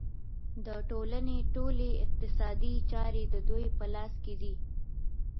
د ټولنې ټولې اقتصادي چارې د دوی په لاس کې دي